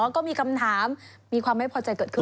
ก็มีคำถามมีความไม่พอใจเกิดขึ้น